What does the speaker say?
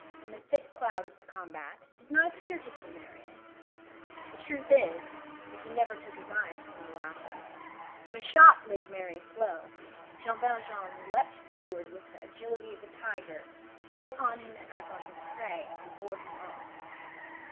Jean Valjean, in the thick cloud of the combat, did not appear to see Marius; the truth is, that he never took his eyes from the latter. When a shot laid Marius low, Jean Valjean leaped forward with the agility of a tiger, fell upon him as on his prey, and bore him off.